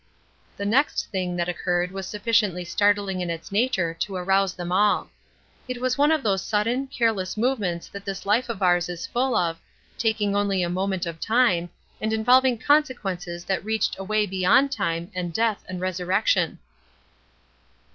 The next thing that occurred was sufficiently startling in its nature to arouse them all. It was one of those sudden, careless movements that this life of ours is full of, taking only a moment of time, and involving consequences that reached away beyond time, and death, and resurrection.